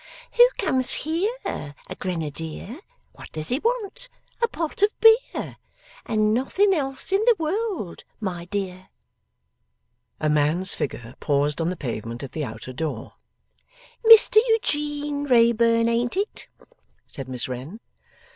Who comes here? A Grenadier. What does he want? A pot of beer. And nothing else in the world, my dear!' A man's figure paused on the pavement at the outer door. 'Mr Eugene Wrayburn, ain't it?' said Miss Wren.